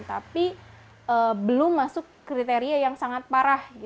tapi belum masuk kriteria yang sangat parah